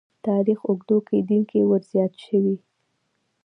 تاریخ اوږدو کې دین کې ورزیات شوي.